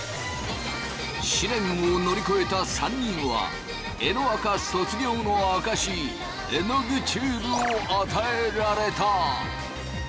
試練を乗り越えた３人はえのアカ卒業の証しえのぐチューブを与えられた。